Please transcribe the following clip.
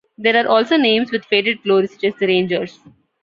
There are also names with faded glory such as the Rangers.